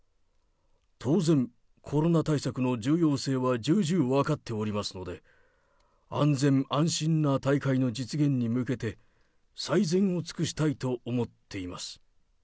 当然、コロナ対策の重要性は重々分かっておりますので、安全・安心な大会の実現に向けて、最善を尽くしたいと思っています。